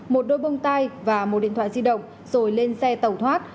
một đôi bông tai và một điện thoại di động rồi lên xe tẩu thoát